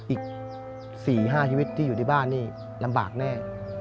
อีก๔๕ชีวิตที่อยู่ที่บ้านนี่ลำบากแน่